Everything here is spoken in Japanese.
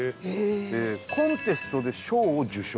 コンテストで賞を受賞。